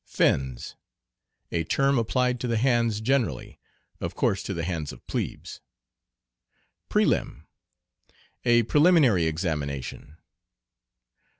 "Fins." A term applied to the hands generally, of course to the hands of "plebes." "Prelim." A preliminary examination.